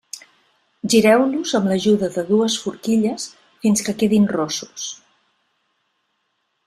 Gireu-los amb l'ajuda de dues forquilles, fins que quedin rossos.